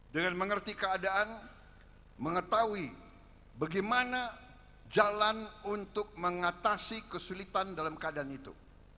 dengan mengerti keadaan mengetahui bagaimana jalan untuk mengatasi kesulitan dalam keadaan itu